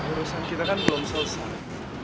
urusan kita kan belum selesai